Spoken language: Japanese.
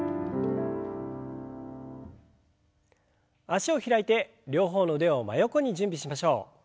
脚を開いて両方の腕を真横に準備しましょう。